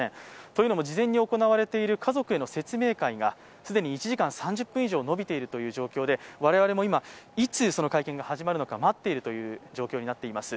というのも事前に行われている家族への説明会が既に１時間３０分以上延びているという状況で我々も今、いつ会見が始まるのか、待っている状況になっています。